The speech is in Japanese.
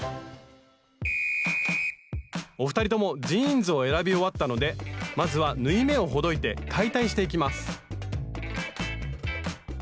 お二人ともジーンズを選び終わったのでまずは縫い目をほどいて解体していきます